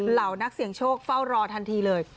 เหล่านักเสี่ยงโชคเฝ้ารอทันทีเลย